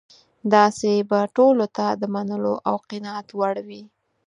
داسې به ټولو ته د منلو او قناعت وړ وي.